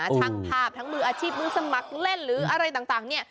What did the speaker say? ช่างภาพทั้งมืออาชีพมือสมัครเล่นหรืออะไรต่างเนี่ย